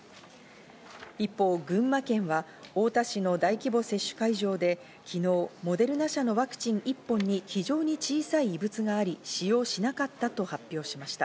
一方、群馬県は太田市の大規模接種会場で昨日モデルナ社のワクチン１本に非常に小さい異物があり、使用しなかったと発表しました。